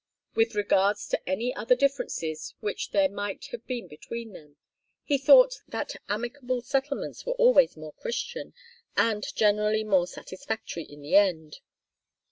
With regards to any other differences which there might have been between them, he thought that amicable settlements were always more Christian, and generally more satisfactory in the end.